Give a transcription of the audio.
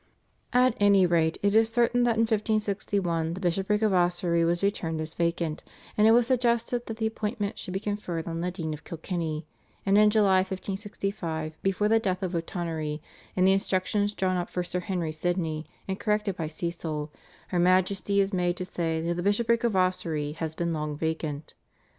At any rate it is certain that in 1561 the Bishopric of Ossory was returned as vacant, and it was suggested that the appointment should be conferred on the Dean of Kilkenny, and in July 1565, before the death of O'Tonory, in the instructions drawn up for Sir Henry Sidney and corrected by Cecil, her Majesty is made to say that the "Bishopric of Ossory has been long vacant."